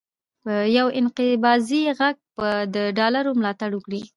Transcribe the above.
یو انقباضي غږ به د ډالر ملاتړ وکړي،